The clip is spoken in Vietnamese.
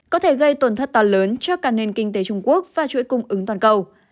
có thể gây tổn thất to lớn cho cả nền kinh tế trung quốc và chuỗi cung ứng toàn cầu